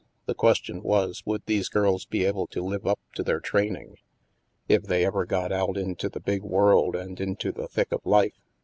The question was, would these girls be able to live up to their training, if they ever got out into the big world and into the thick of life?